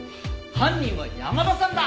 犯人は山田さんだ！